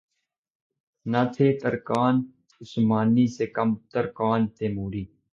نہ تھے ترکان عثمانی سے کم ترکان تیموری